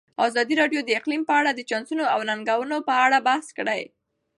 ازادي راډیو د اقلیم په اړه د چانسونو او ننګونو په اړه بحث کړی.